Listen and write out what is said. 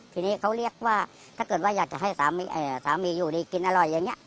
ทีนี้เขาเรียกว่าถ้าเกิดว่าอยากจะให้สามีอยู่ดีกินอร่อยอย่างนี้